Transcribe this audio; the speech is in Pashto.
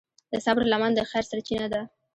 د صبر لمن د خیر سرچینه ده.